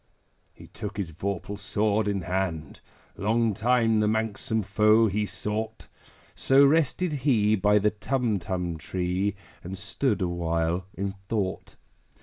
He took his vorpal sword in hand: Long time the manxome foe he sought So rested he by the Tumtum tree, And stood awhile in thought.